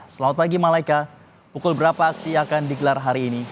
selamat pagi malaika pukul berapa aksi akan digelar hari ini